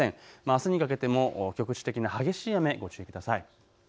あすにかけても局地的な激しい雨にご注意ください。